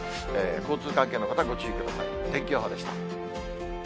交通機関の関係の方、ご注意ください。